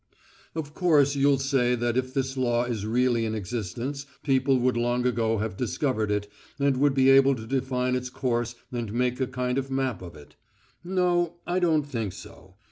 Of course you'll say that if this law is really in existence people would long ago have discovered it and would be able to define its course and make a kind of map of it. No, I don't think so.